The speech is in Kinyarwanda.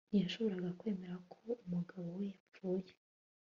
Ntiyashoboraga kwemera ko umugabo we yapfuye